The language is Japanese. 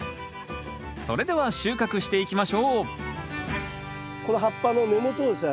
それでは収穫していきましょうこの葉っぱの根元をですね